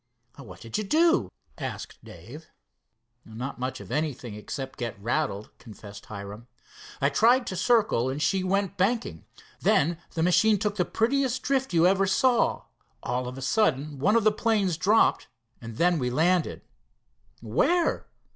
"What did you do?" asked Dave. "Not much of anything, except to get rattled," confessed Hiram. "I tried to circle, and she went banking. Then the Machine took the prettiest drift you ever saw. All of a sudden one of the planes dropped and then we landed." "Where?"